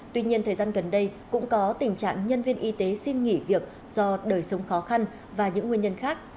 tuy nhiên thời gian gần đây cũng có tình trạng nhân viên y tế xin nghỉ việc do đời sống khó khăn và những nguyên nhân khác